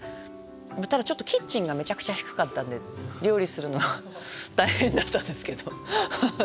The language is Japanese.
ただちょっとキッチンがめちゃくちゃ低かったんで料理するの大変だったんですけど。